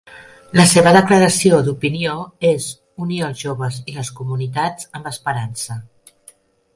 La seva declaració d'opinió és "Unir els joves i les comunitats amb esperança".